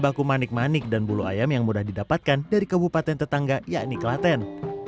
baku manik manik dan bulu ayam yang mudah didapatkan dari kabupaten tetangga yakni klaten